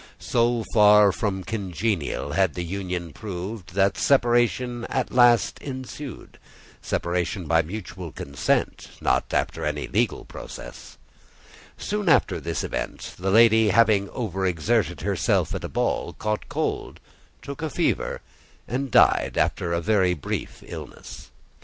So far from congenial had the union proved, that separation at last ensued—separation by mutual consent, not after any legal process. Soon after this event, the lady having over exerted herself at a ball, caught cold, took a fever, and died after a very brief illness.